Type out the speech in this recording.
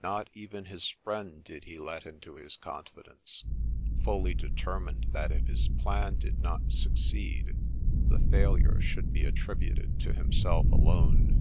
Not even his friend did he let into his confidence, fully determined that if his plan did not succeed, the failure should be attributed to himself alone.